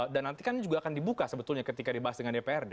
dan nanti kan juga akan dibuka sebetulnya ketika dibahas dengan dprd